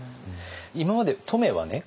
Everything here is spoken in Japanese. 今まで乙女はね